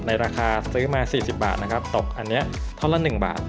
ในราคาซื้อมาสี่สิบบาทนะครับตกอันเนี้ยท่อนละหนึ่งบาท